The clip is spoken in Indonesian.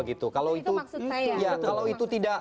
itu maksud saya